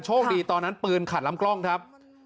ดีตอนนั้นปืนขัดลำกล้องครับ